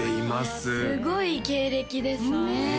すごい経歴ですねねえ